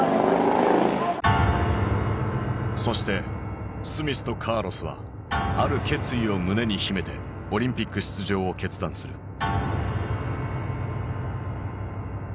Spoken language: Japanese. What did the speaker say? そしてスミスとカーロスはある決意を胸に秘めてオリンピック出場を決断する。